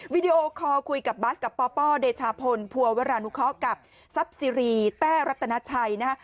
วิดีโอคอลคุยกับบัสกับปปเดชาพลภัวรานุเคาะกับซับซีรีแต้รัตนาชัยนะฮะ